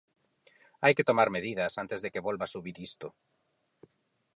Hai que tomar medidas antes de que volva subir isto.